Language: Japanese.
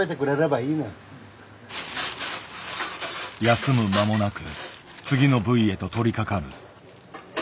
休む間もなく次の部位へと取りかかる。